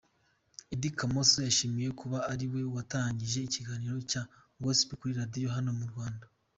Eddy Kamoso: Yashimiwe kuba ariwe watangije ikiganiro cya Gospel kuri Radio hano mu Rwanda.